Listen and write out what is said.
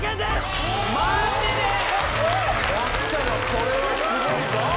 これはすごいぞすごい！